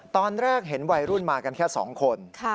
ตอนแรกเห็นวัยรุ่นมากันแค่๒คน